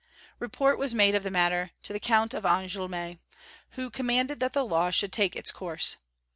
Report was made of the matter to the Count of Angoulême, who commanded that the law should take its course.